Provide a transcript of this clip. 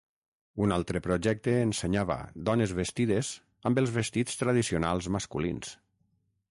Un altre projecte ensenyava dones vestides amb els vestits tradicionals masculins.